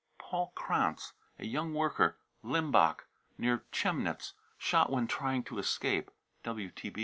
Paul krantz, a young worker, Limbach, near Chemnitz, " shot when trying to escape."